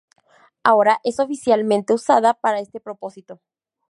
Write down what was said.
Ahora es oficialmente usada para este propósito.